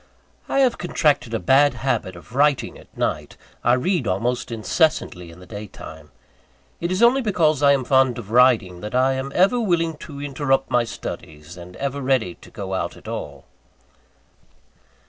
I have contracted a bad habit of writing at night I read almost incessantly in the day time. It is only because I am fond of riding, that I am ever willing to interrupt my studies, and ever ready to go out at all.